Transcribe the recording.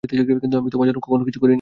কিন্তু আমি তোমার জন্য কখনো কিছু করিনি।